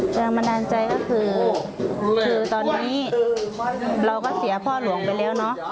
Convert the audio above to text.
อย่างมันดันใจก็คือคือตอนนี้เราก็เสียพ่อหลวงไปแล้ว